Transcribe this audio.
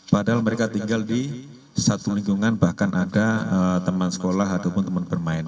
padahal mereka tinggal di satu lingkungan bahkan ada teman sekolah ataupun teman bermain